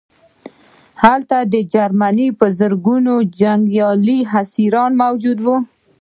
هلته د جرمني په زرګونه جنګي اسیران موجود وو